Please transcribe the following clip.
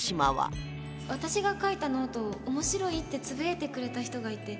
私が書いたｎｏｔｅを面白いって呟いてくれた人がいて。